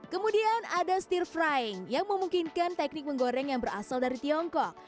kemudian ada stir frying yang memungkinkan teknik menggoreng yang berasal dari tiongkok